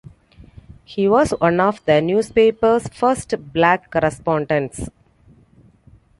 He was one of the newspaper's first black correspondents.